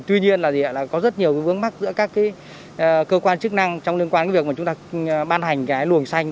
tuy nhiên là có rất nhiều vướng mắt giữa các cơ quan chức năng trong liên quan đến việc mà chúng ta ban hành cái luồng xanh